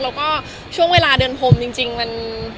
แล้วก็ช่วงเวลาเดินพรมจริงมัน